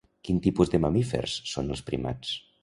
Quin tipus de mamífers són els primats?